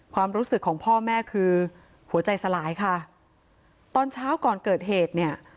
ความรู้สึกของพ่อแม่คือหัวใจสลายค่ะตอนเช้าก่อนเกิดเหตุเนี่ย